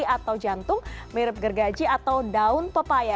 atau jantung mirip gergaji atau daun pepaya